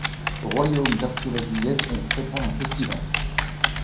Au royaume d'Arthur et Juliette, on prépare un festival.